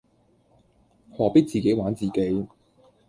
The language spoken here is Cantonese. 何必自己玩自己